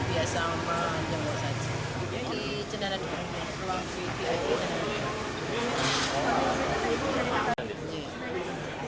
di jenazah di rumah di bgit di jumat